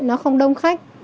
nó không đông khách